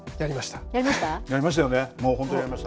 やりましたよね。